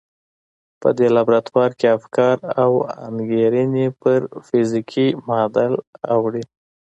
په دې لابراتوار کې افکار او انګېرنې پر فزيکي معادل اوړي.